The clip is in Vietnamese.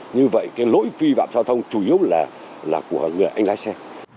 như vậy cái lỗi vi phạm giao thông chủ yếu là của người anh lái xe